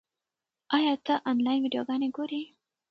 ایا ته آنلاین ویډیوګانې ګورې؟